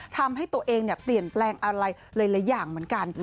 ทำให้ตัวเองเปลี่ยนแปลงอะไรหลายอย่างเหมือนกัน